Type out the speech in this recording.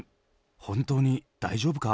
本当に大丈夫か？